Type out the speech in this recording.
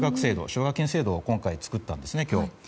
奨学金制度を今回作ったんですね。